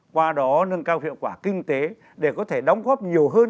qua đó nâng cao hiệu quả kinh tế để có thể đóng góp nhiều hơn